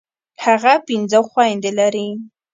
هغه پنځه خويندي لري.